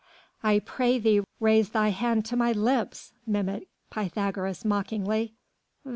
"I pray thee raise thy hand to my lips," mimicked Pythagoras mockingly.